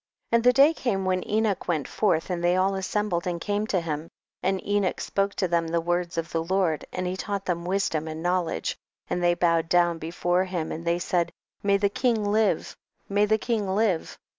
22. And the day came when Enoch went forth and they all assem bled and came to him, and Enocii spoke to them the words of the Lord and he taught them wisdom and knowledge, and they bowed down before him and they said, may the king live, may the king live